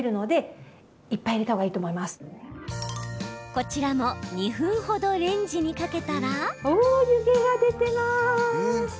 こちらも２分ほどレンジにかけたら。